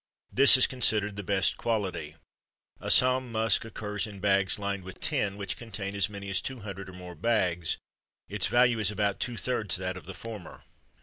This is considered the best quality. Assam musk occurs in boxes lined with tin which contain as many as two hundred or more bags; its value is about two thirds that of the former.